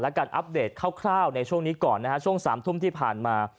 และการอัปเดตคร่าวในช่วงนี้ก่อนนะฮะช่วง๓ทุ่มที่ผ่านมา